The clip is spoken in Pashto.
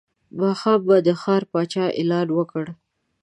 ماښام به د ښار پاچا اعلان وکړ.